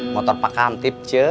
motor pakam tip c